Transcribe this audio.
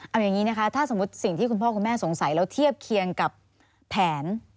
เอาอย่างนี้นะคะถ้าสมมุติสิ่งที่คุณพ่อคุณแม่สงสัยแล้วเทียบเคียงกับแผน